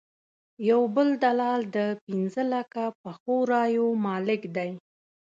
یو بل دلال د پنځه لکه پخو رایو مالک دی.